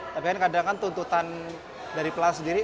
tapi kan kadang kadang tuntutan dari pelatih sendiri